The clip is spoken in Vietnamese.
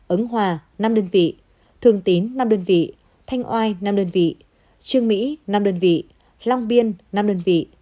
ứng hòa năm đơn vị thường tín năm đơn vị thanh oai năm đơn vị trương mỹ năm đơn vị long biên năm đơn vị